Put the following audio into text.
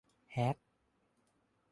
แฮ็ก